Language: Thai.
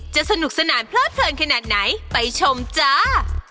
สนุกสนานเพลิดเพลินขนาดไหนไปชมจ้า